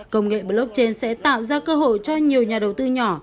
công nghệ blockchain sẽ tạo ra cơ hội cho nhiều nhà đầu tư nhỏ